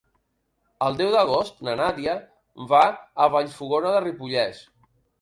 El deu d'agost na Nàdia va a Vallfogona de Ripollès.